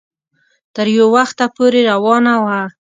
تر يو وخته پورې روانه وه